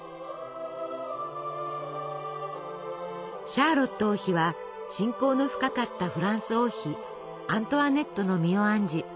シャーロット王妃は親交の深かったフランス王妃アントワネットの身を案じ